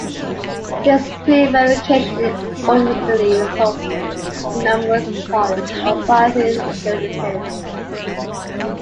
This prevarication ultimately resulted in numerous Polish uprisings during the period.